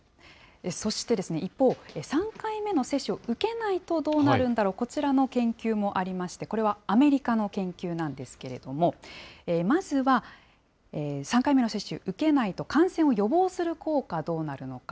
そして、一方、３回目の接種を受けないとどうなるんだろう、こちらの研究もありまして、これはアメリカの研究なんですけれども、まずは、３回目の接種、受けないと感染を予防する効果、どうなるのか。